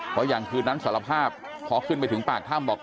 เพราะอย่างคืนนั้นสารภาพพอขึ้นไปถึงปากถ้ำบอก